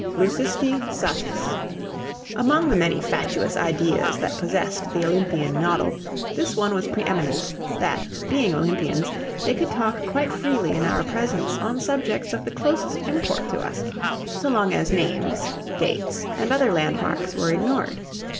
"LUSISTI SATIS" Among the many fatuous ideas that possessed the Olympian noddle, this one was pre eminent; that, being Olympians, they could talk quite freely in our presence on subjects of the closest import to us, so long as names, dates, and other landmarks were ignored.